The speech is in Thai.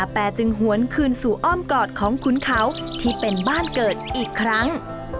แต่จึงหวนคืนสู่อ้อมกอดของคุณเขาที่เป็นบ้านเกิดอีกครั้ง